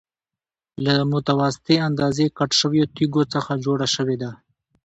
له متوسطې اندازې کټ شویو تېږو څخه جوړه شوې ده.